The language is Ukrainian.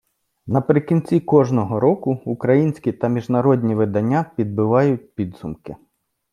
Наприкінці кожного року українські та міжнародні видання підбивають підсумки.